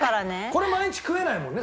これ毎日食えないもんね